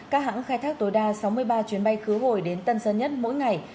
các hãng khai thác tối đa sáu mươi ba chuyến bay khứ hồi đến tân sơn nhất mỗi ngày